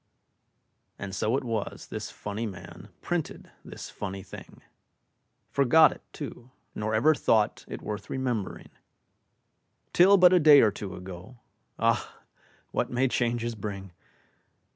And so it was this funny man Printed this funny thing Forgot it, too, nor ever thought It worth remembering, Till but a day or two ago. (Ah! what may changes bring!)